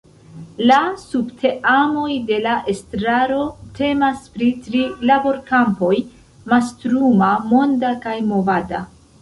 La subteamoj de la estraro temas pri tri laborkampoj, mastruma, monda kaj movada.